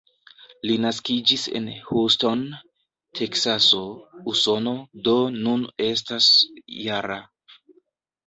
Li naskiĝis en Houston, Teksaso, Usono, do nun estas -jara.